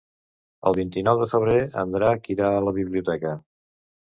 El vint-i-nou de febrer en Drac irà a la biblioteca.